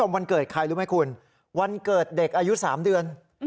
วันเกิดใครรู้ไหมคุณวันเกิดเด็กอายุ๓เดือน